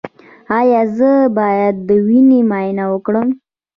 ایا زه باید د وینې معاینه وکړم؟